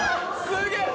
すげえ！